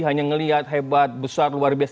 hanya melihat hebat besar luar biasa